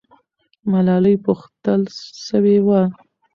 ملالۍ پوښتل سوې وه.